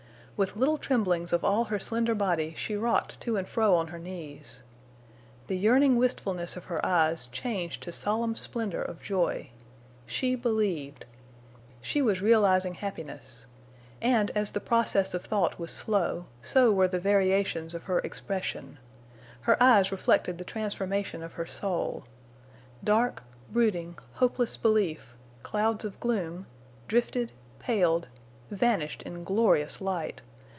With little tremblings of all her slender body she rocked to and fro on her knees. The yearning wistfulness of her eyes changed to solemn splendor of joy. She believed. She was realizing happiness. And as the process of thought was slow, so were the variations of her expression. Her eyes reflected the transformation of her soul. Dark, brooding, hopeless belief—clouds of gloom—drifted, paled, vanished in glorious light.